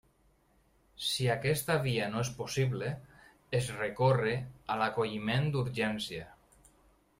Si aquesta via no és possible, es recorre a l'acolliment d'urgència.